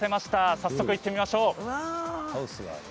早速、行ってみましょう。